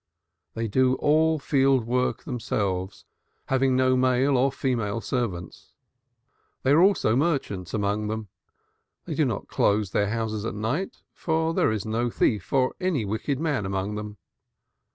They do all field work themselves, having no male or female servants; there are also merchants among them. They do not close their houses at night, for there is no thief nor any wicked man among them.